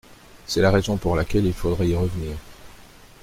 C’est la raison pour laquelle il faudra y revenir.